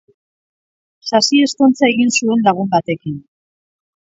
Sasi ezkontza egin zuen lagun batekin.